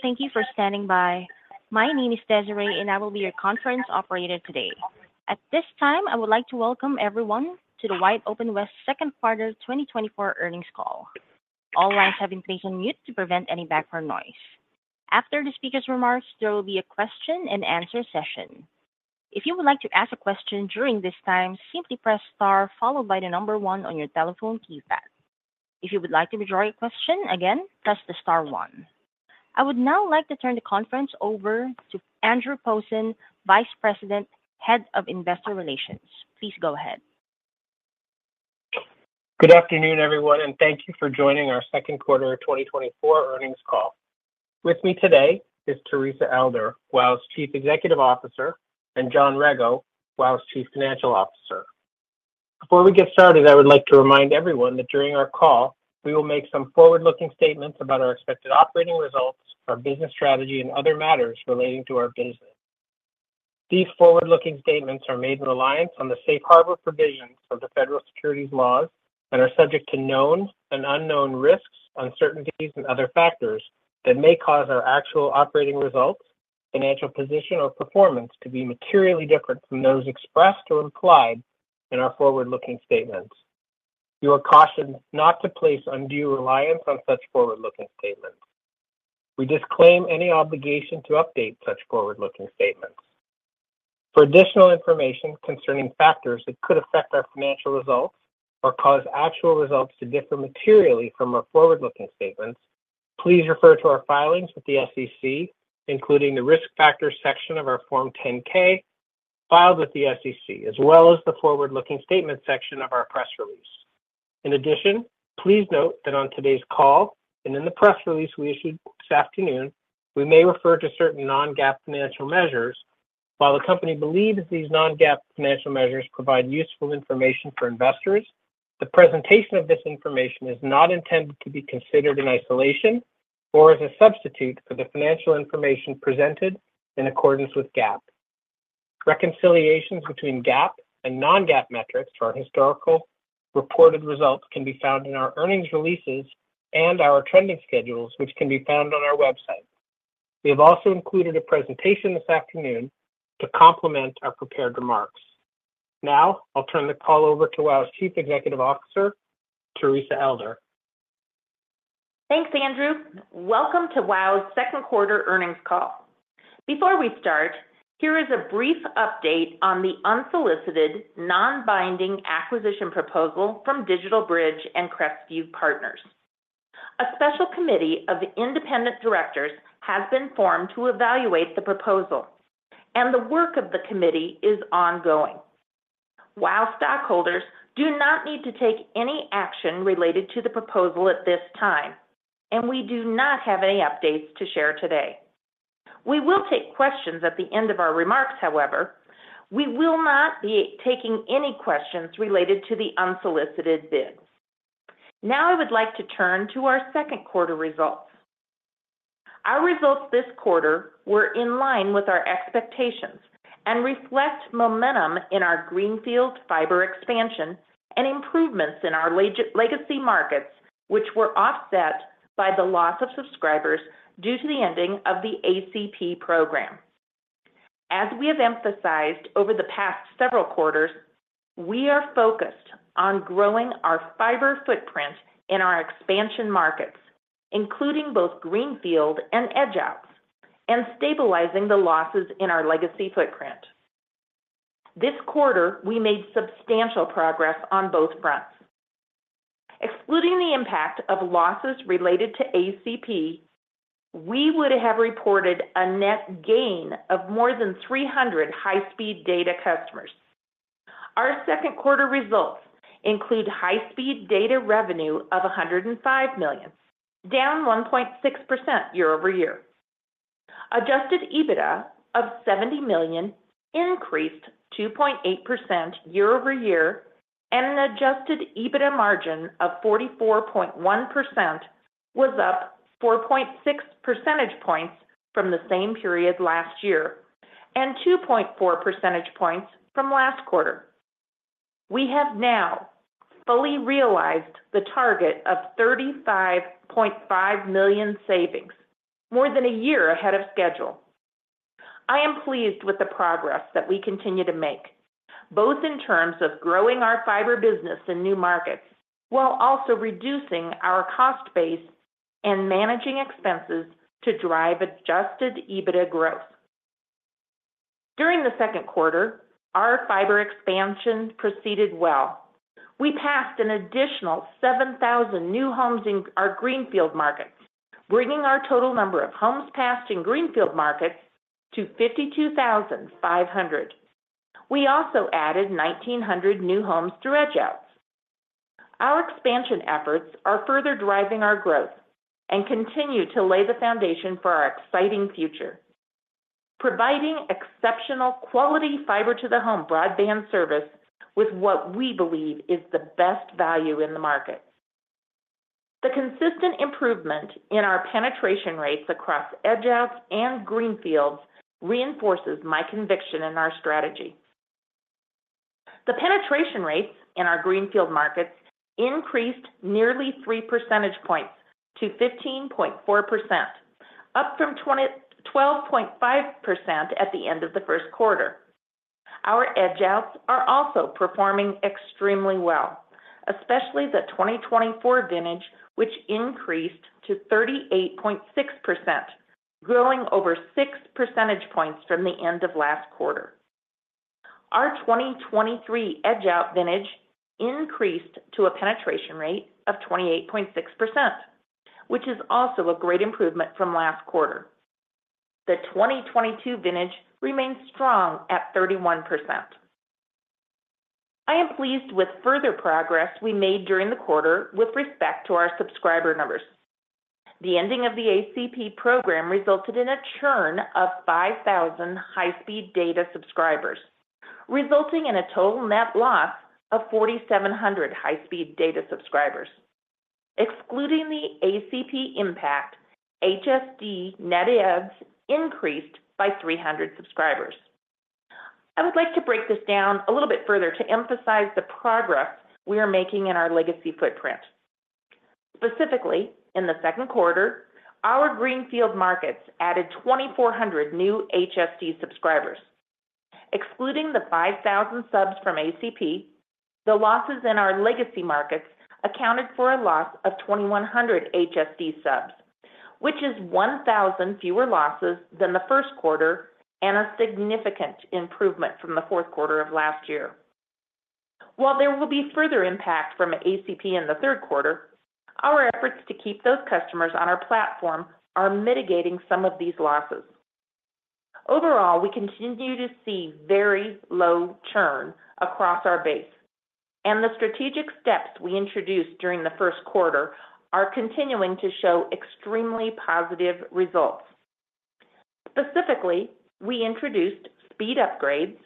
Thank you for standing by. My name is Desiree, and I will be your conference operator today. At this time, I would like to welcome everyone to the WideOpenWest Second Quarter 2024 Earnings Call. All lines have been placed on mute to prevent any background noise. After the speaker's remarks, there will be a question and answer session. If you would like to ask a question during this time, simply press star followed by the number one on your telephone keypad. If you would like to withdraw your question, again, press the star one. I would now like to turn the conference over to Andrew Posen, Vice President, Head of Investor Relations. Please go ahead. Good afternoon, everyone, and thank you for joining our second quarter 2024 earnings call. With me today is Teresa Elder, WOW's Chief Executive Officer, and John Rego, WOW's Chief Financial Officer. Before we get started, I would like to remind everyone that during our call, we will make some forward-looking statements about our expected operating results, our business strategy, and other matters relating to our business. These forward-looking statements are made in reliance on the safe harbor provisions of the federal securities laws and are subject to known and unknown risks, uncertainties, and other factors that may cause our actual operating results, financial position, or performance to be materially different from those expressed or implied in our forward-looking statements. You are cautioned not to place undue reliance on such forward-looking statements. We disclaim any obligation to update such forward-looking statements. For additional information concerning factors that could affect our financial results or cause actual results to differ materially from our forward-looking statements, please refer to our filings with the SEC, including the Risk Factors section of our Form 10-K filed with the SEC, as well as the Forward-Looking Statements section of our press release. In addition, please note that on today's call and in the press release we issued this afternoon, we may refer to certain non-GAAP financial measures. While the company believes these non-GAAP financial measures provide useful information for investors, the presentation of this information is not intended to be considered in isolation or as a substitute for the financial information presented in accordance with GAAP. Reconciliations between GAAP and non-GAAP metrics for our historical reported results can be found in our earnings releases and our trending schedules, which can be found on our website. We have also included a presentation this afternoon to complement our prepared remarks. Now, I'll turn the call over to WOW's Chief Executive Officer, Teresa Elder. Thanks, Andrew. Welcome to WOW's second quarter earnings call. Before we start, here is a brief update on the unsolicited, non-binding acquisition proposal from DigitalBridge and Crestview Partners. A special committee of independent directors has been formed to evaluate the proposal, and the work of the committee is ongoing, while stockholders do not need to take any action related to the proposal at this time, and we do not have any updates to share today. We will take questions at the end of our remarks, however, we will not be taking any questions related to the unsolicited bids. Now, I would like to turn to our second quarter results. Our results this quarter were in line with our expectations and reflect momentum in our greenfield fiber expansion and improvements in our legacy markets, which were offset by the loss of subscribers due to the ending of the ACP program. As we have emphasized over the past several quarters, we are focused on growing our fiber footprint in our expansion markets, including both greenfield and edge-outs, and stabilizing the losses in our legacy footprint. This quarter, we made substantial progress on both fronts. Excluding the impact of losses related to ACP, we would have reported a net gain of more than 300 high-speed data customers. Our second quarter results include high-speed data revenue of $105 million, down 1.6% year-over-year. Adjusted EBITDA of $70 million increased 2.8% year-over-year, and an adjusted EBITDA margin of 44.1% was up 4.6 percentage points from the same period last year and 2.4 percentage points from last quarter. We have now fully realized the target of $35.5 million savings, more than a year ahead of schedule. I am pleased with the progress that we continue to make, both in terms of growing our fiber business in new markets, while also reducing our cost base and managing expenses to drive Adjusted EBITDA growth. During the second quarter, our fiber expansion proceeded well. We passed an additional 7,000 new homes in our greenfield markets, bringing our total number of homes passed in greenfield markets to 52,500. We also added 1,900 new homes through edge-outs. Our expansion efforts are further driving our growth and continue to lay the foundation for our exciting future, providing exceptional quality fiber to the home broadband service with what we believe is the best value in the market. The consistent improvement in our penetration rates across edge-outs and greenfields reinforces my conviction in our strategy.... The penetration rates in our greenfield markets increased nearly 3 percentage points to 15.4%, up from 12.5% at the end of the first quarter. Our edge-outs are also performing extremely well, especially the 2024 vintage, which increased to 38.6%, growing over 6 percentage points from the end of last quarter. Our 2023 edge-out vintage increased to a penetration rate of 28.6%, which is also a great improvement from last quarter. The 2022 vintage remains strong at 31%. I am pleased with further progress we made during the quarter with respect to our subscriber numbers. The ending of the ACP program resulted in a churn of 5,000 high-speed data subscribers, resulting in a total net loss of 4,700 high-speed data subscribers. Excluding the ACP impact, HSD net adds increased by 300 subscribers. I would like to break this down a little bit further to emphasize the progress we are making in our legacy footprint. Specifically, in the second quarter, our greenfield markets added 2,400 new HSD subscribers. Excluding the 5,000 subs from ACP, the losses in our legacy markets accounted for a loss of 2,100 HSD subs, which is 1,000 fewer losses than the first quarter and a significant improvement from the fourth quarter of last year. While there will be further impact from ACP in the third quarter, our efforts to keep those customers on our platform are mitigating some of these losses. Overall, we continue to see very low churn across our base, and the strategic steps we introduced during the first quarter are continuing to show extremely positive results. Specifically, we introduced speed upgrades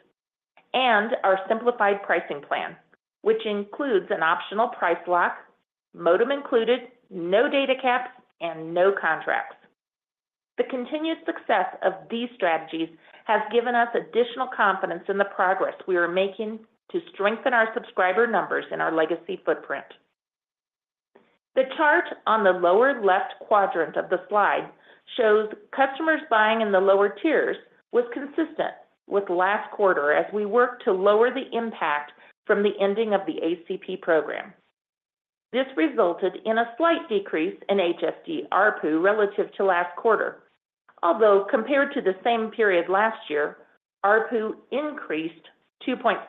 and our simplified pricing plan, which includes an optional price lock, modem included, no data caps, and no contracts. The continued success of these strategies has given us additional confidence in the progress we are making to strengthen our subscriber numbers in our legacy footprint. The chart on the lower left quadrant of the slide shows customers buying in the lower tiers was consistent with last quarter as we worked to lower the impact from the ending of the ACP program. This resulted in a slight decrease in HSD ARPU relative to last quarter, although compared to the same period last year, ARPU increased 2.6%.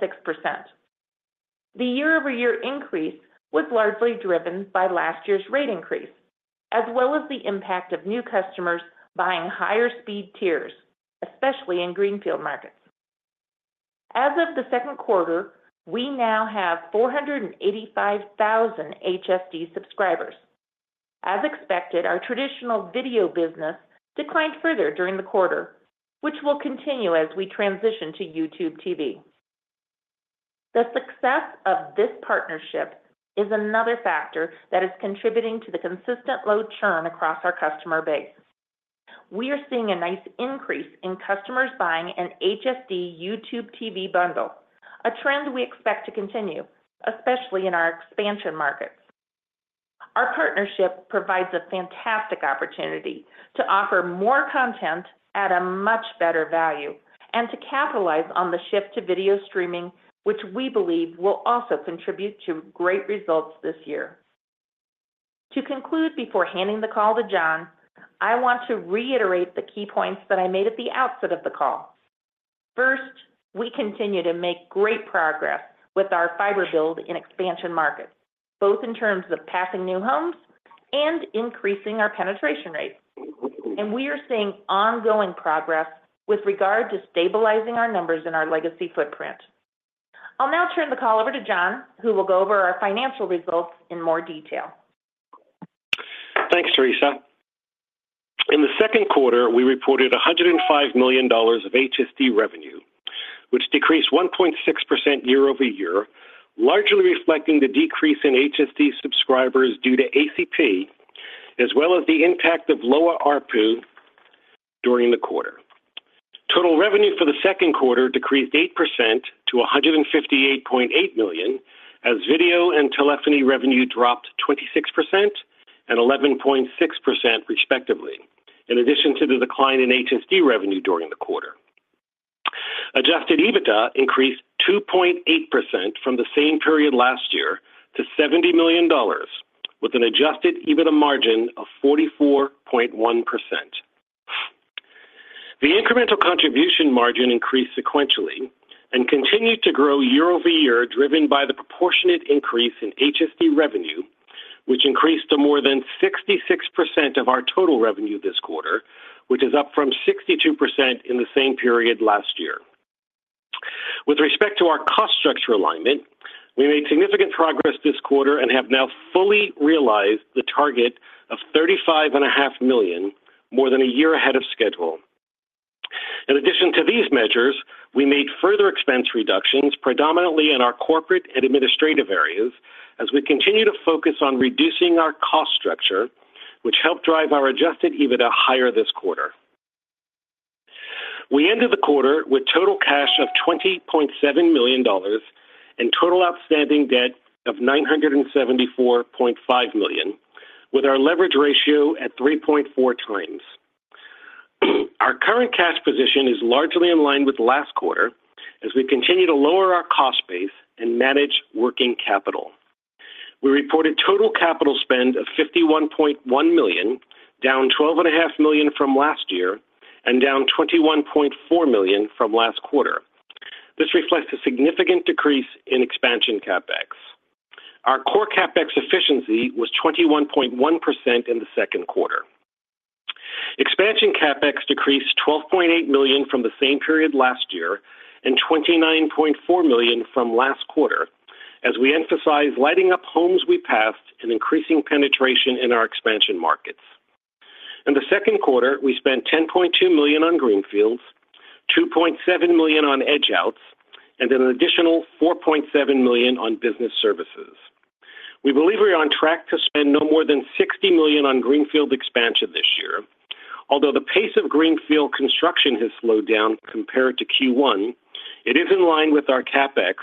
The year-over-year increase was largely driven by last year's rate increase, as well as the impact of new customers buying higher speed tiers, especially in greenfield markets. As of the second quarter, we now have 485,000 HSD subscribers. As expected, our traditional video business declined further during the quarter, which will continue as we transition to YouTube TV. The success of this partnership is another factor that is contributing to the consistent low churn across our customer base. We are seeing a nice increase in customers buying an HSD YouTube TV bundle, a trend we expect to continue, especially in our expansion markets. Our partnership provides a fantastic opportunity to offer more content at a much better value and to capitalize on the shift to video streaming, which we believe will also contribute to great results this year. To conclude, before handing the call to John, I want to reiterate the key points that I made at the outset of the call. First, we continue to make great progress with our fiber build in expansion markets, both in terms of passing new homes and increasing our penetration rates. We are seeing ongoing progress with regard to stabilizing our numbers in our legacy footprint. I'll now turn the call over to John, who will go over our financial results in more detail. Thanks, Teresa. In the second quarter, we reported $105 million of HSD revenue, which decreased 1.6% year-over-year, largely reflecting the decrease in HSD subscribers due to ACP, as well as the impact of lower ARPU during the quarter. Total revenue for the second quarter decreased 8% to $158.8 million, as video and telephony revenue dropped 26% and 11.6%, respectively, in addition to the decline in HSD revenue during the quarter. Adjusted EBITDA increased 2.8% from the same period last year to $70 million, with an adjusted EBITDA margin of 44.1%. The incremental contribution margin increased sequentially and continued to grow year-over-year, driven by the proportionate increase in HSD revenue, which increased to more than 66% of our total revenue this quarter, which is up from 62% in the same period last year. With respect to our cost structure alignment, we made significant progress this quarter and have now fully realized the target of $35.5 million, more than a year ahead of schedule. In addition to these measures, we made further expense reductions, predominantly in our corporate and administrative areas, as we continue to focus on reducing our cost structure, which helped drive our Adjusted EBITDA higher this quarter. We ended the quarter with total cash of $20.7 million and total outstanding debt of $974.5 million, with our leverage ratio at 3.4x. Our current cash position is largely in line with last quarter as we continue to lower our cost base and manage working capital. We reported total capital spend of $51.1 million, down $12.5 million from last year and down $21.4 million from last quarter. This reflects a significant decrease in expansion CapEx. Our core CapEx efficiency was 21.1% in the second quarter. Expansion CapEx decreased $12.8 million from the same period last year and $29.4 million from last quarter. As we emphasize, lighting up homes we passed and increasing penetration in our expansion markets. In the second quarter, we spent $10.2 million on greenfields, $2.7 million on edge-outs, and an additional $4.7 million on business services. We believe we're on track to spend no more than $60 million on greenfield expansion this year. Although the pace of greenfield construction has slowed down compared to Q1, it is in line with our CapEx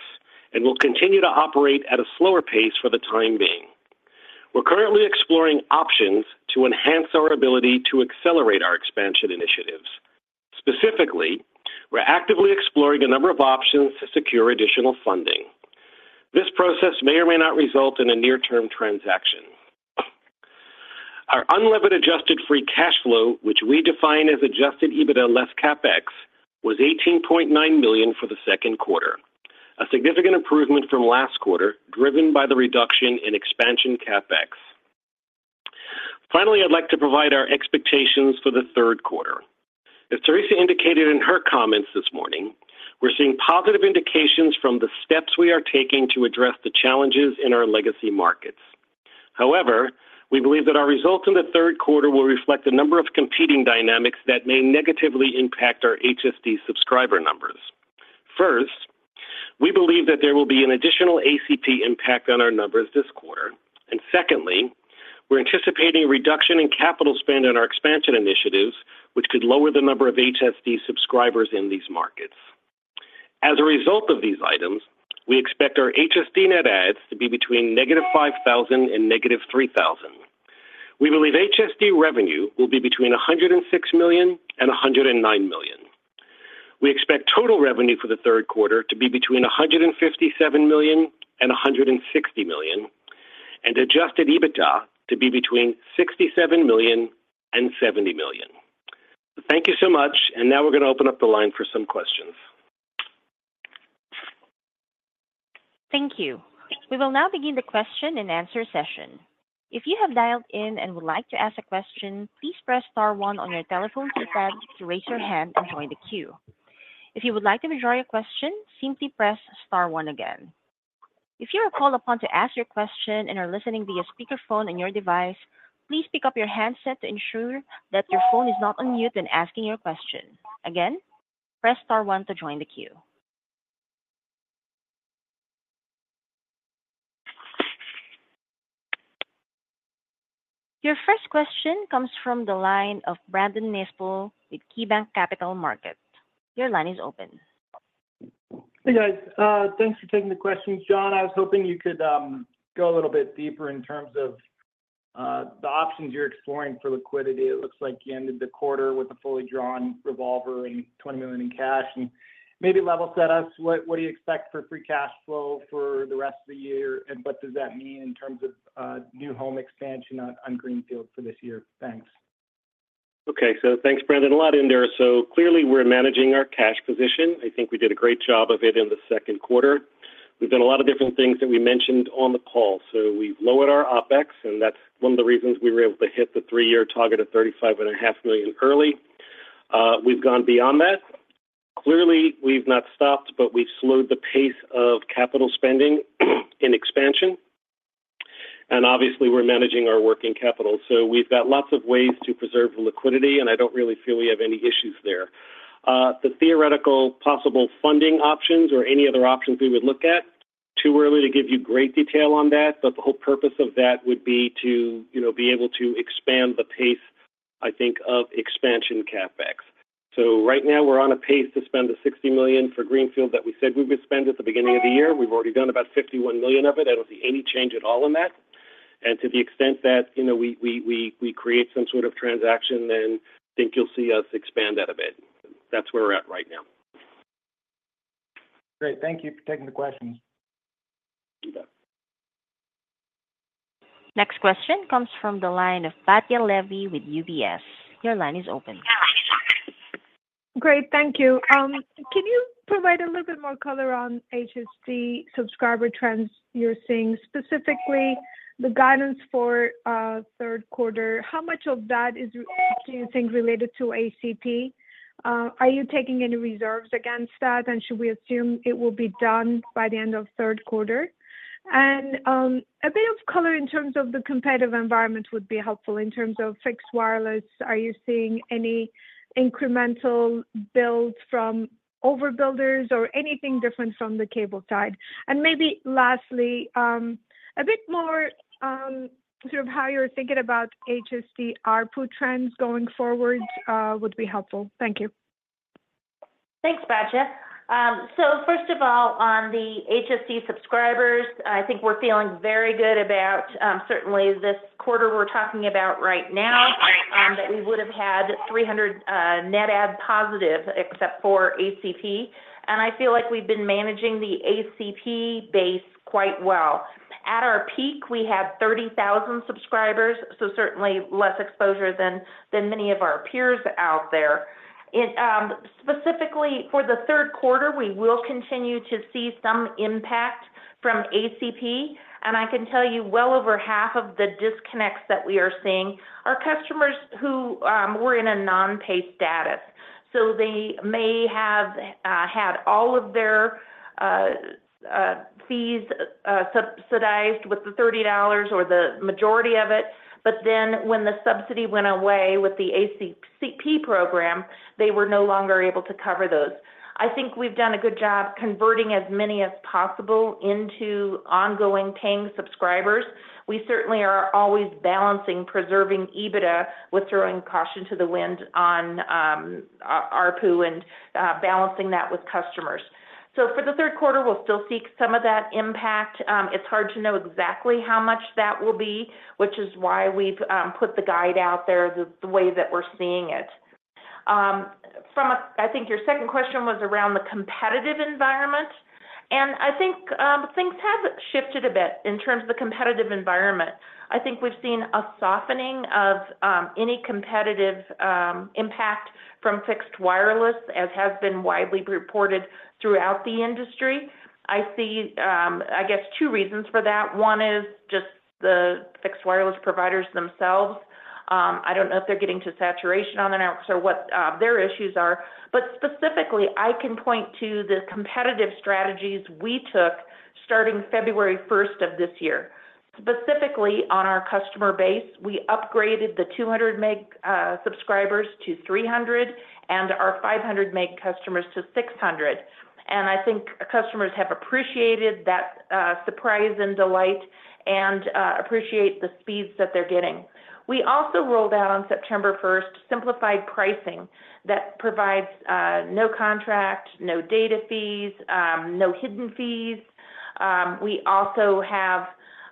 and will continue to operate at a slower pace for the time being. We're currently exploring options to enhance our ability to accelerate our expansion initiatives. Specifically, we're actively exploring a number of options to secure additional funding. This process may or may not result in a near-term transaction. Our unlevered adjusted free cash flow, which we define as adjusted EBITDA less CapEx, was $18.9 million for the second quarter, a significant improvement from last quarter, driven by the reduction in expansion CapEx. Finally, I'd like to provide our expectations for the third quarter. As Teresa indicated in her comments this morning, we're seeing positive indications from the steps we are taking to address the challenges in our legacy markets. However, we believe that our results in the third quarter will reflect a number of competing dynamics that may negatively impact our HSD subscriber numbers. First, we believe that there will be an additional ACP impact on our numbers this quarter, and secondly, we're anticipating a reduction in capital spend on our expansion initiatives, which could lower the number of HSD subscribers in these markets. As a result of these items, we expect our HSD net adds to be between -5,000 and -3,000. We believe HSD revenue will be between $106 million and $109 million. We expect total revenue for the third quarter to be between $157 million and $160 million, and Adjusted EBITDA to be between $67 million and $70 million. Thank you so much, and now we're going to open up the line for some questions. Thank you. We will now begin the question-and-answer session. If you have dialed in and would like to ask a question, please press star one on your telephone keypad to raise your hand and join the queue. If you would like to withdraw your question, simply press star one again. If you are called upon to ask your question and are listening via speakerphone on your device, please pick up your handset to ensure that your phone is not on mute when asking your question. Again, press star one to join the queue. Your first question comes from the line of Brandon Nispel with KeyBanc Capital Markets. Your line is open. Hey, guys. Thanks for taking the questions. John, I was hoping you could go a little bit deeper in terms of the options you're exploring for liquidity. It looks like you ended the quarter with a fully drawn revolver and $20 million in cash. And maybe level set us, what, what do you expect for free cash flow for the rest of the year? And what does that mean in terms of new home expansion on greenfield for this year? Thanks. Okay. So thanks, Brandon. A lot in there. So clearly, we're managing our cash position. I think we did a great job of it in the second quarter. We've done a lot of different things that we mentioned on the call. So we've lowered our OpEx, and that's one of the reasons we were able to hit the three-year target of $35.5 million early. We've gone beyond that. Clearly, we've not stopped, but we've slowed the pace of capital spending in expansion, and obviously, we're managing our working capital. So we've got lots of ways to preserve the liquidity, and I don't really feel we have any issues there. The theoretical possible funding options or any other options we would look at, too early to give you great detail on that, but the whole purpose of that would be to, you know, be able to expand the pace, I think, of expansion CapEx. So right now, we're on a pace to spend the $60 million for greenfield that we said we would spend at the beginning of the year. We've already done about $51 million of it. I don't see any change at all in that. And to the extent that, you know, we create some sort of transaction, then I think you'll see us expand that a bit. That's where we're at right now. Great. Thank you for taking the questions. You bet. Next question comes from the line of Batya Levi with UBS. Your line is open. Great, thank you. Can you provide a little bit more color on HSD subscriber trends you're seeing, specifically the guidance for third quarter? How much of that is, do you think, related to ACP? Are you taking any reserves against that, and should we assume it will be done by the end of third quarter? And a bit of color in terms of the competitive environment would be helpful. In terms of fixed wireless, are you seeing any incremental builds from overbuilders or anything different from the cable side? And maybe lastly, a bit more sort of how you're thinking about HSD ARPU trends going forward would be helpful. Thank you.... Thanks, Batya. So first of all, on the HSD subscribers, I think we're feeling very good about, certainly this quarter we're talking about right now, that we would have had 300, net add positive, except for ACP. And I feel like we've been managing the ACP base quite well. At our peak, we had 30,000 subscribers, so certainly less exposure than, than many of our peers out there. It, specifically for the third quarter, we will continue to see some impact from ACP, and I can tell you, well over half of the disconnects that we are seeing are customers who, were in a non-pay status. So they may have had all of their fees subsidized with the $30 or the majority of it, but then when the subsidy went away with the ACP program, they were no longer able to cover those. I think we've done a good job converting as many as possible into ongoing paying subscribers. We certainly are always balancing preserving EBITDA with throwing caution to the wind on ARPU and balancing that with customers. So for the third quarter, we'll still see some of that impact. It's hard to know exactly how much that will be, which is why we've put the guide out there the way that we're seeing it. I think your second question was around the competitive environment. And I think things have shifted a bit in terms of the competitive environment. I think we've seen a softening of any competitive impact from fixed wireless, as has been widely reported throughout the industry. I see, I guess, two reasons for that. One is just the fixed wireless providers themselves. I don't know if they're getting to saturation on their own or what their issues are, but specifically, I can point to the competitive strategies we took starting February first of this year. Specifically, on our customer base, we upgraded the 200 meg subscribers to 300, and our 500 meg customers to 600. And I think customers have appreciated that surprise and delight and appreciate the speeds that they're getting. We also rolled out on September first, simplified pricing that provides no contract, no data fees, no hidden fees. We also have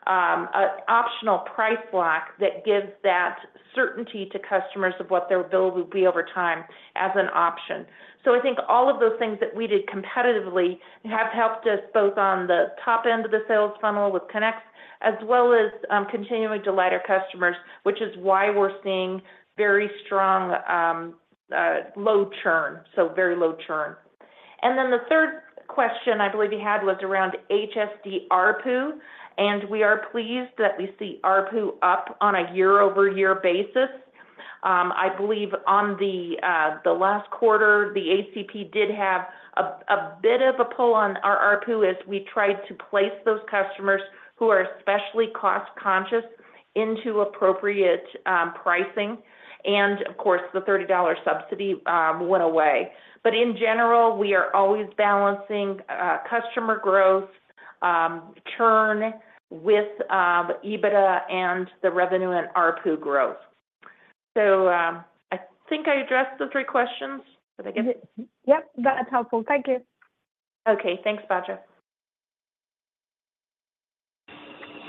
an optional price lock that gives that certainty to customers of what their bill will be over time as an option. So I think all of those things that we did competitively have helped us both on the top end of the sales funnel with connects, as well as continuing to delight our customers, which is why we're seeing very strong low churn, so very low churn. And then the third question I believe you had was around HSD ARPU, and we are pleased that we see ARPU up on a year-over-year basis. I believe on the last quarter, the ACP did have a bit of a pull on our ARPU as we tried to place those customers who are especially cost-conscious into appropriate pricing. And of course, the $30 subsidy went away. But in general, we are always balancing customer growth, churn with EBITDA and the revenue and ARPU growth. So, I think I addressed the three questions, but I guess- Yep, that's helpful. Thank you. Okay, thanks, Batya.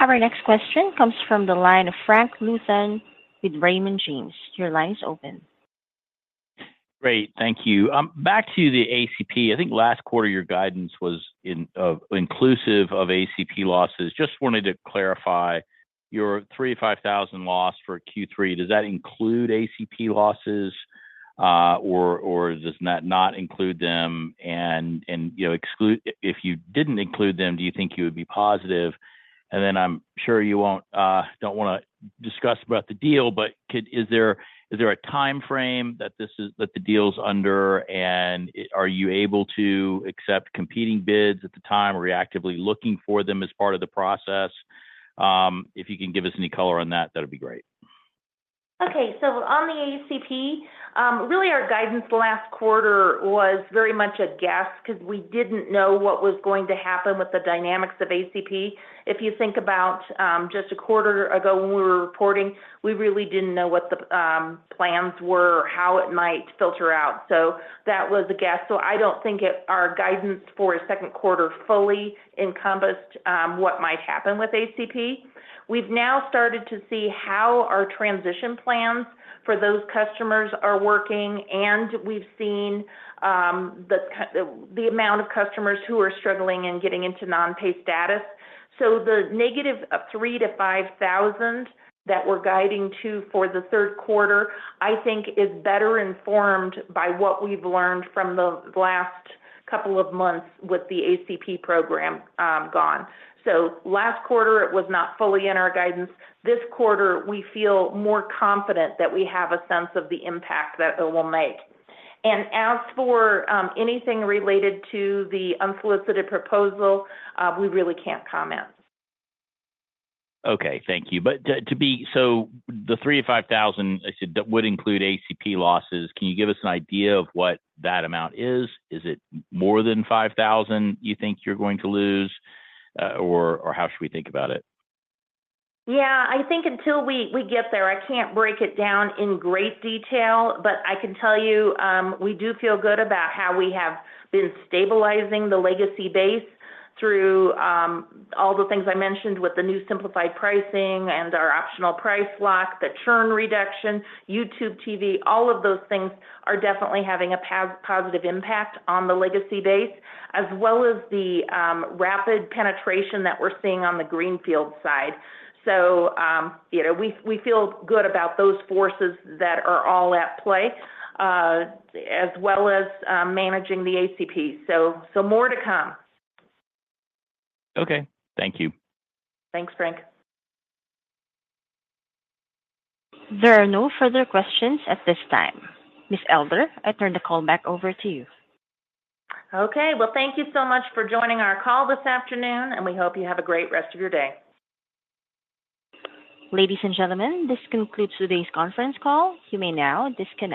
Our next question comes from the line of Frank Louthan with Raymond James. Your line is open. Great, thank you. Back to the ACP, I think last quarter, your guidance was in, inclusive of ACP losses. Just wanted to clarify, your 3,000-5,000 loss for Q3, does that include ACP losses, or does that not include them? And you know, exclude, if you didn't include them, do you think you would be positive? And then I'm sure you won't, don't wanna discuss about the deal, but could... Is there a time frame that this is, that the deal is under, and are you able to accept competing bids at the time, or are you actively looking for them as part of the process? If you can give us any color on that, that'd be great. Okay. So on the ACP, really our guidance last quarter was very much a guess because we didn't know what was going to happen with the dynamics of ACP. If you think about, just a quarter ago when we were reporting, we really didn't know what the plans were or how it might filter out. So that was a guess. So I don't think it, our guidance for a second quarter fully encompassed what might happen with ACP. We've now started to see how our transition plans for those customers are working, and we've seen the amount of customers who are struggling and getting into non-pay status. So the negative of 3,000-5,000 that we're guiding to for the third quarter, I think is better informed by what we've learned from the last couple of months with the ACP program gone. So last quarter, it was not fully in our guidance. This quarter, we feel more confident that we have a sense of the impact that it will make. And as for anything related to the unsolicited proposal, we really can't comment. Okay, thank you. But so the 3,000-5,000, I said, that would include ACP losses. Can you give us an idea of what that amount is? Is it more than 5,000 you think you're going to lose, or how should we think about it? Yeah, I think until we get there, I can't break it down in great detail, but I can tell you, we do feel good about how we have been stabilizing the legacy base through all the things I mentioned with the new simplified pricing and our optional price lock, the churn reduction, YouTube TV, all of those things are definitely having a positive impact on the legacy base, as well as the rapid penetration that we're seeing on the greenfield side. So, you know, we feel good about those forces that are all at play, as well as managing the ACP. So more to come. Okay, thank you. Thanks, Frank. There are no further questions at this time. Ms. Elder, I turn the call back over to you. Okay, well, thank you so much for joining our call this afternoon, and we hope you have a great rest of your day. Ladies and gentlemen, this concludes today's conference call. You may now disconnect.